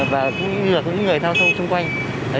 và cũng như là những người giao thông xung quanh